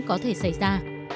có thể xảy ra